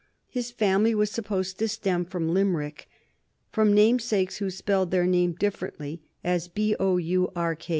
His family was supposed to stem from Limerick, from namesakes who spelled their name differently as Bourke.